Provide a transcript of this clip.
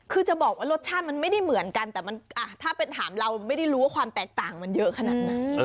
คือจะบอกว่ารสชาติมันไม่ได้เหมือนกันแต่ถ้าเป็นถามเราไม่ได้รู้ว่าความแตกต่างมันเยอะขนาดไหน